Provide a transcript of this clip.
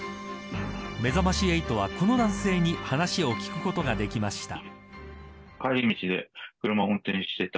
めざまし８は、この男性に話を聞くことができました。